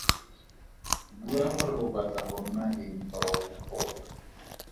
Bua gore o batla go nna eng fa o gola.